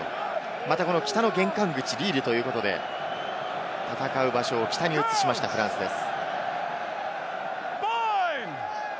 また、北の玄関口、リールということで戦う場所を北に移しました、フランスです。